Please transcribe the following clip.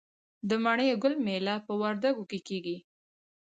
د مڼې ګل میله په وردګو کې کیږي.